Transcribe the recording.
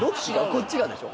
こっちがでしょ？